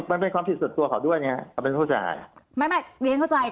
มันเป็นความผิดสุดตัวของเขาด้วยไงเขาเป็นผู้ชายไม่ไม่เรียนเข้าใจ